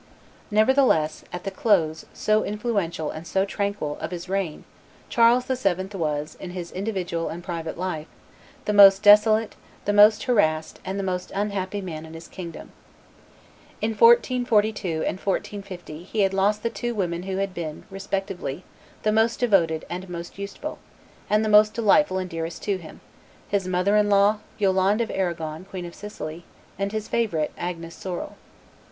Nevertheless, at the close, so influential and so tranquil, of his reign, Charles VII. was, in his individual and private life, the most desolate, the most harassed, and the most unhappy man in his kingdom. In 1442 and 1450 he had lost the two women who had been, respectively, the most devoted and most useful, and the most delightful and dearest to him, his mother in law, Yolande of Arragon, Queen of Sicily, and his favorite, Agnes Sorel.